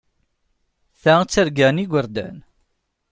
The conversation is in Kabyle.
Ta d targa n yigerdan.